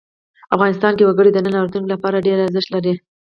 افغانستان کې وګړي د نن او راتلونکي لپاره ډېر ارزښت لري.